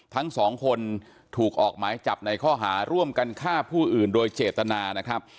ทั้งสองคนถูกออกหมายจับในข้อหาร่วมกันฆ่าผู้อื่นโดยเจตนานะครับ